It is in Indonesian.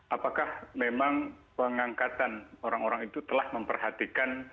apakah memang pengangkatan orang orang itu telah memperhatikan